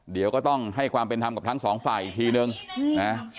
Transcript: เดี๋ยวก็ต้องให้ความเป็นธรรมกับทั้งสองฝ่ายอีกทีนึงนะ